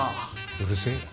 うるせえ